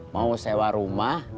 mau sewa rumah